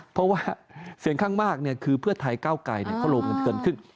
เพราะว่าเสียงข้างมากเนี่ยคือเพื่อไทยเก้าไกลเนี่ยเขาโรมร่วงเผินเกินครึ่ง